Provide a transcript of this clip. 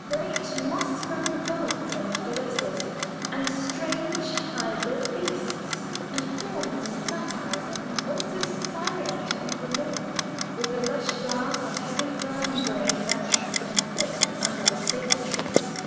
Great moss grown gods and goddesses, and strange hybrid beasts, and fauns and satyrs, and all so silent and forlorn, with the lush grass and heavy fern growing rank and thick under the stately trees.